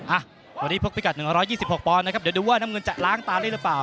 อ่ะวันนี้พบพิกัด๑๒๖ปอนด์นะครับเดี๋ยวดูว่าน้ำเงินจะล้างตาได้หรือเปล่า